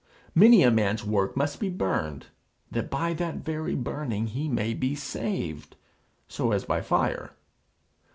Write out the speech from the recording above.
Many a man's work must be burned, that by that very burning he may be saved "so as by fire."